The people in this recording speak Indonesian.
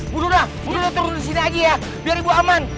bu duna bu duna turun disini aja ya biar ibu aman